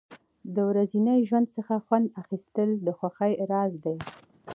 د ورځني ژوند څخه خوند اخیستل د خوښۍ راز دی.